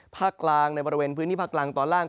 ภาคกลางในบริเวณพื้นที่ภาคกลางตอนล่าง